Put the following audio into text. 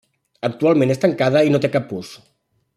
Actualment és tancada i no té cap ús.